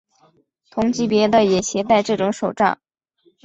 同级别的也携带这种手杖。